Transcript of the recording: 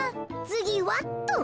つぎはっと。